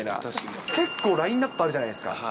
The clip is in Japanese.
結構、ラインナップあるじゃないですか。